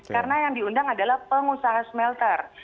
karena yang diundang adalah pengusaha smelter